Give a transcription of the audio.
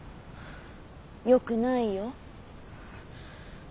よくないよ。